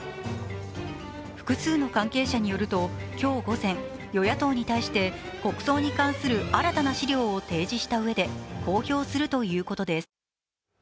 複数の関係者によると、今日午前与野党に対して国葬に関する新たな資料を提示したうえで公表するということです。